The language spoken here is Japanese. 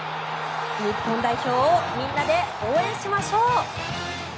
日本代表をみんなで応援しましょう！